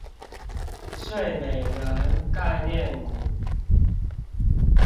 睡美人概念股